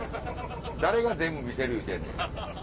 誰が全部見せる言うてんねん。